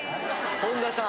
本田さん